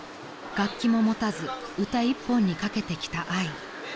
楽器も持たず歌一本に懸けてきたあい］